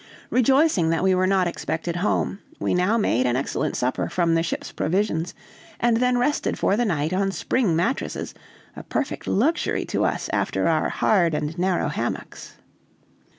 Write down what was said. Rejoicing that we were not expected home, we now made an excellent supper from the ship's provisions, and then rested for the night on spring mattresses, a perfect luxury to us, after our hard and narrow hammocks.